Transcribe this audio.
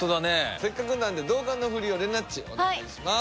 せっかくなので動画のフリを玲奈ッチお願いします。